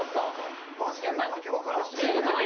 マジで訳分からん。